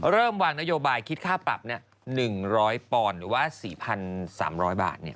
เริ่มวางนโยบายคิดค่าปรับ๑๐๐ปอนด์หรือว่า๔๓๐๐บาท